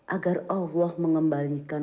agar allah mengembalikan